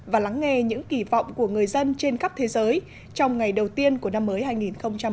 và lắng nghe những kỳ vọng của người dân trên khắp thế giới trong ngày đầu tiên của năm mới hai nghìn hai mươi